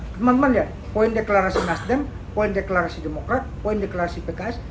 teman teman ya poin deklarasi nasdem poin deklarasi demokrat poin deklarasi pks